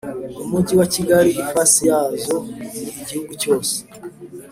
mu mujyi wa kigali ifasi yazo ni igihugu cyose